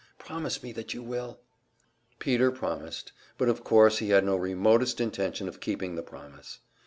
Promise me that you will!" Peter promised; but of course he had no remotest intention of keeping the promise.